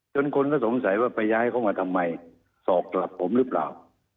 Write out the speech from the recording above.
คนก็สงสัยว่าไปย้ายเข้ามาทำไมสอบกลับผมหรือเปล่า